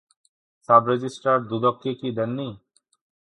Sub-registrar দুদককে কি দেননি?